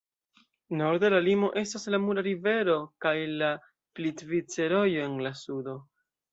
Norde, la limo estas la Mura Rivero kaj la Plitvice-Rojo en la sudo.